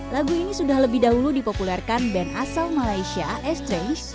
lagu ini sudah lebih dahulu dipopulerkan band asal malaysia est trace